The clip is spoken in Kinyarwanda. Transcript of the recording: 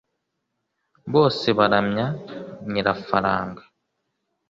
bose baramya nyirafaranga